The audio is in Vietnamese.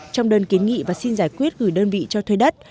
trong đơn kiến nghị và xin giải quyết gửi đơn vị cho thuê đất